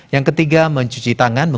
yang ketiga mencuci tangan